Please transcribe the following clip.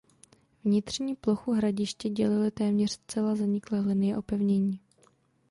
Vnitřní plochu hradiště dělily téměř zcela zaniklé linie opevnění.